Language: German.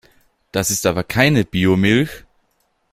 Das ist aber keine Biomilch!